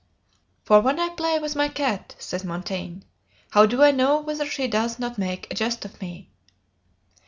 "For when I play with my cat," says Montaigne, "how do I know whether she does not make a jest of me?"